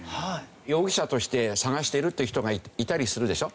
容疑者として捜してるって人がいたりするでしょ。